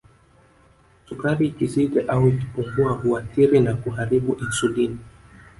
Sukari ikizidi au ikipungua huathiri na kuharibu Insulini